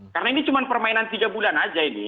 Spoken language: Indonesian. karena ini cuma permainan tiga bulan saja ini